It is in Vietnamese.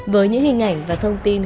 với những hình ảnh và thông tin